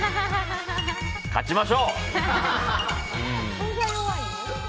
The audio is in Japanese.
勝ちましょう！